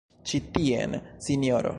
Ĉi tien, sinjoro!